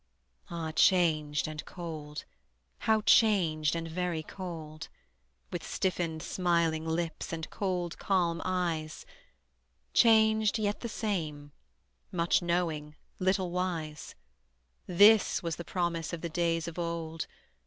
Ah! changed and cold, how changed and very cold! With stiffened smiling lips and cold calm eyes: Changed, yet the same; much knowing, little wise; This was the promise of the days of old!